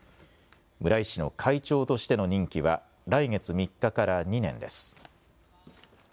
村井氏の会長としてしての任期は来月３日から２年です。